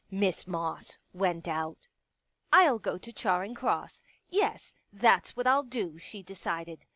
Miss Moss went out. I'll go to Charing Cross. Yes, that's what I'll do," she decided.